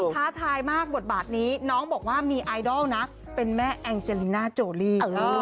ท้าทายมากบทบาทนี้น้องบอกว่ามีไอดอลนะเป็นแม่แองเจลิน่าโจลี่